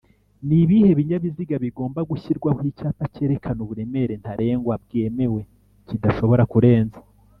Nibihe binyabiziga bigomba gushyirwaho Icyapa cyerekana uburemere ntarengwa bwemewe kidashobora kurenza